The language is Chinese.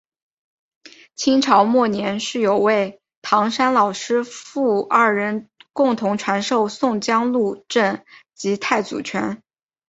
清朝末年是有位唐山老师父二人共同传授宋江鹿阵及太祖拳。